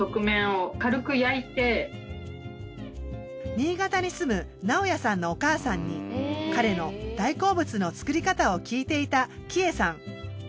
新潟に住む直也さんのお母さんに彼の大好物の作り方を聞いていた貴恵さん。